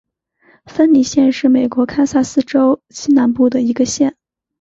芬尼县是美国堪萨斯州西南部的一个县。